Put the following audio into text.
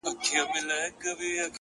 • ما دي مخي ته کتلای,